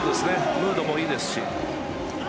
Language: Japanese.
ムードもいいですし。